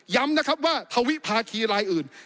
ย้ำนะครับว่าทวิภาคีรายอื่น